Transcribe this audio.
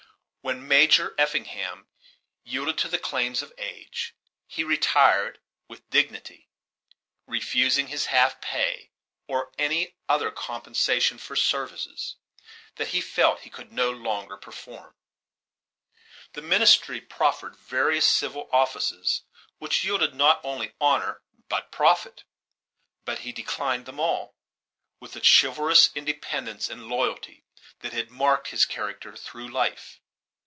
When Major Effingham yielded to the claims of age, he retired with dignity, refusing his half pay or any other compensation for services that he felt he could no longer perform. The ministry proffered various civil offices which yielded not only honor but profit; but he declined them all, with the chivalrous independence and loyalty that had marked his character through life.